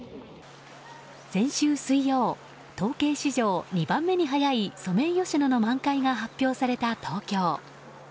先週水曜統計史上２番目に早いソメイヨシノの満開が発表された東京。